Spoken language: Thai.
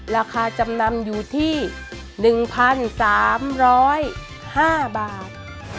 ราคาจำนำอยู่ที่๑๓๐๕บาท